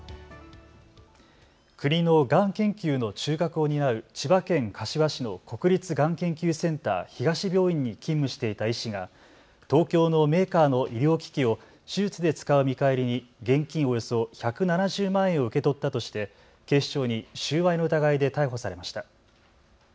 国のがん研究の中核を担う千葉県柏市の国立がん研究センター東病院に勤務していた医師が東京のメーカーの医療機器を手術で使う見返りに現金およそ１７０万円を受け取ったとして警視庁に収賄の疑いで逮捕されました。